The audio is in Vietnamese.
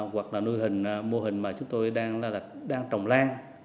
hoặc là nuôi hình mô hình mà chúng tôi đang trồng lan